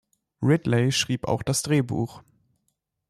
Ridley schrieb auch das Drehbuch.